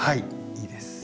いいです。